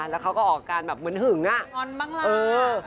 แล้วเขาก็ออกการแบบเหมือนหึงอ่ะงอนบ้างล่ะ